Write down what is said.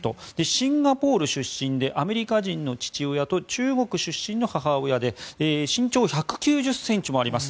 シンガポール出身でアメリカ人の父親と中国出身の母親で身長１９０ｃｍもあります。